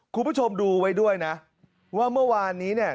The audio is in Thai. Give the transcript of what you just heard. คุณผู้ชมดูไว้ด้วยนะว่าเมื่อวานนี้เนี่ย